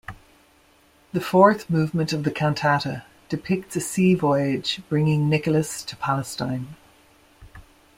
The fourth movement of the cantata depicts a sea voyage bringing Nicolas to Palestine.